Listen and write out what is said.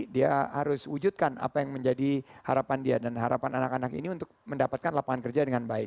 dia harus wujudkan apa yang menjadi harapan dia dan harapan anak anak ini untuk mendapatkan lapangan kerja dengan baik